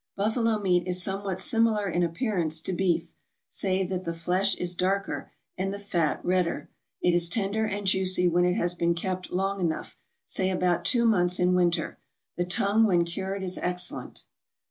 Buffalo meat is somewhat similar in appearance to beef, save that the flesh is darker, and the fat redder; it is tender and juicy when it has been kept long enough, say about two months in winter; the tongue, when cured, is excellent.